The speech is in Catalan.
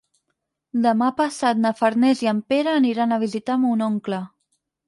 Demà passat na Farners i en Pere aniran a visitar mon oncle.